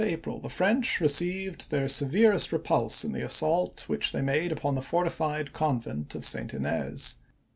April the French received their severest repulse in the assault which they made upon the fortified convent of St. Inez.